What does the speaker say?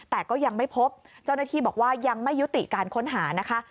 แต่ก็ยังไม่พบเจ้าหน้าที่บอกว่ายังไม่ยุติการค้นหานะคะ